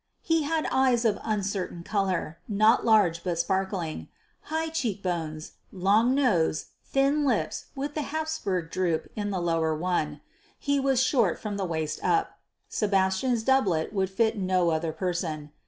He had eyes of uncertain colour, not large but sparkling; high cheek bones; long nose; thin lips with the "Hapsburg droop" in the lower one. He was short from the waist up. (Sebastian's doublet would fit no other person.)